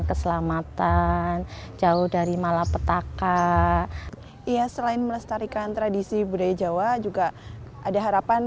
keselamatan jauh dari malapetaka ya selain melestarikan tradisi budaya jawa juga ada harapan